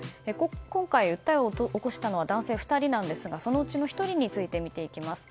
今回、訴えを起こしたのは男性２人なんですがそのうちの１人について見ていきます。